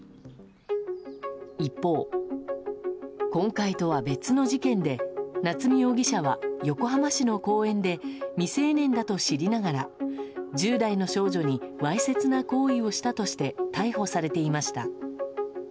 一方、今回とは別の事件で夏見容疑者は横浜市の公園で未成年だと知りながら１０代の少女にわいせつな行為をしたとして逮捕されていました。